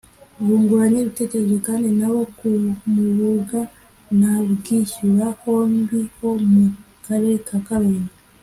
Bunguranye ibitekerezo kandi n’abo ku Mubuga na Bwishyura hombi ho mu karere ka Karongi